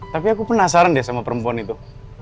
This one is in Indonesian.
tapi aku penasaran deh sama perempuan itu